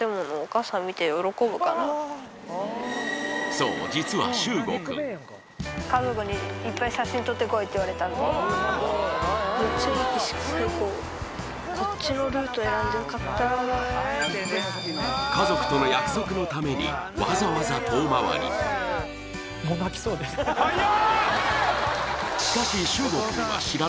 そう言われたんで家族との約束のためにわざわざ遠回り・はや！